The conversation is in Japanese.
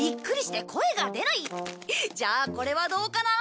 じゃあこれはどうかな？